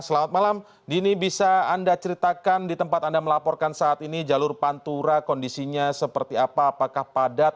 selamat malam dini bisa anda ceritakan di tempat anda melaporkan saat ini jalur pantura kondisinya seperti apa apakah padat